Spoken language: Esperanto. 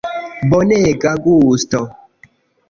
Bonega gusto!